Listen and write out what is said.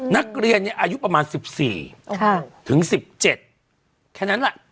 นักเรียนอายุประมาณ๑๔ถึง๑๗แค่นั้นแหละ